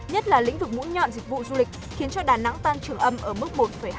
nhất là lĩnh vực ngũ nhọn dịch vụ du lịch khiến đà nẵng tan trường âm ở mức một hai mươi năm